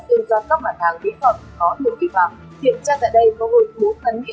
do các bản hàng vĩ phẩm có nguồn vi phạm hiện ra tại đây có hơn bốn khẩn vĩ phẩm đen sữa da các loại